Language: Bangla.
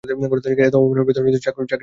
এত অপমানের ভেতর চাকরি করার কোনো মানে হয় না।